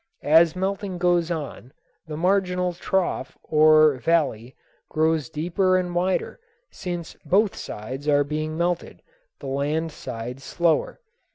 As melting goes on, the marginal trough, or valley, grows deeper and wider, since both sides are being melted, the land side slower.